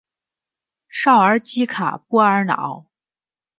绍尔基卡波尔瑙。